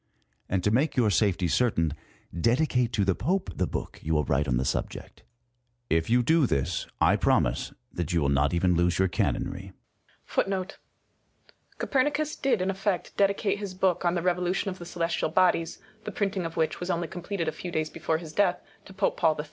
And to make your safety certain, dedicate to M 178 COPERNICUS. the Pope the book ^ you will write on the subject. If you do this, I promise that you will not even lose your canonry. ^ Copernicus did in effect dedi cate his book on the "Revolution of the Celestial Bodies," the printing of which was only completed a few days before his death, to Pope Paul III.